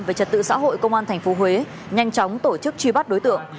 về trật tự xã hội công an tp huế nhanh chóng tổ chức truy bắt đối tượng